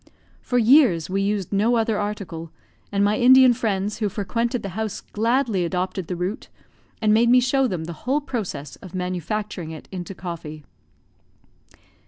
For years we used no other article; and my Indian friends who frequented the house gladly adopted the root, and made me show them the whole process of manufacturing it into coffee.